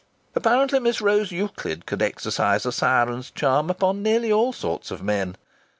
Apparently Miss Rose Euclid could exercise a siren's charm upon nearly all sorts of men.